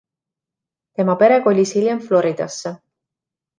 Tema pere kolis hiljem Floridasse.